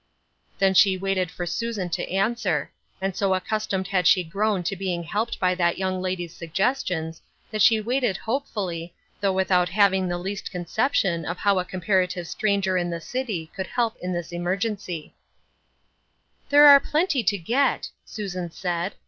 Then she waited for Susan to answer; and so accustomed had she grown to being helped by that young lady's suggestions, that she waited hopefully, though without having the least con ception of how a comparative stranger in the city could help in this emergenc3^ " There are plenty to get," Susan said.